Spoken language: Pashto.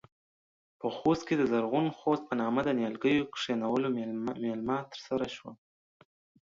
په خوست کې د زرغون خوست په نامه د نيالګيو کښېنولو مېلمه ترسره شوه.